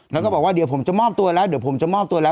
แล้วก็บอกว่าเดี๋ยวผมจะมอบตัวแล้วเดี๋ยวผมจะมอบตัวแล้ว